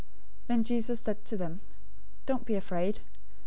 028:010 Then Jesus said to them, "Don't be afraid.